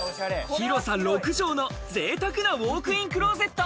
広さ６帖の贅沢なウォークインクローゼット。